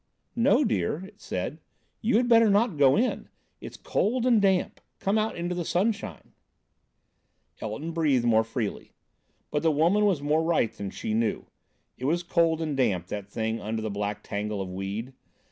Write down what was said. "No, dear," it said, "you had better not go in. It's cold and damp. Come out into the sunshine." Elton breathed more freely. But the woman was more right than she knew. It was cold and damp, that thing under the black tangle of weed.